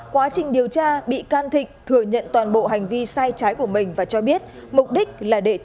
quá trình điều tra bị can thịnh thừa nhận toàn bộ hành vi sai trái của mình và cho biết mục đích là để thể hiện khả năng của bản thân